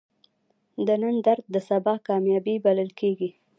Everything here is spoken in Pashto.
د نن درد د سبا کامیابی بلل کېږي.